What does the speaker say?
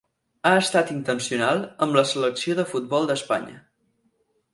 Ha estat internacional amb la selecció de futbol d'Espanya.